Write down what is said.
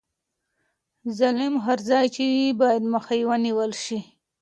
ظلم هر ځای چې وي باید مخه یې ونیول شي.